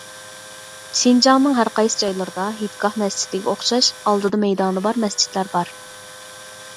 شىنجاڭنىڭ ھەر قايسى جايلىرىدا ھېيتگاھ مەسچىتىگە ئوخشاش ئالدىدا مەيدانى بار مەسچىتلەر بار.